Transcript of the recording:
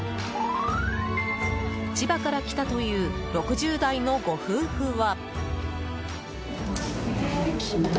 千葉から来たという６０代のご夫婦は。